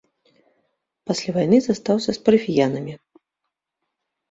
Пасля вайны застаўся з парафіянамі.